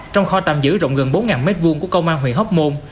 trong kho tạm giữ rộng gần bốn m hai của công an huyện hóc môn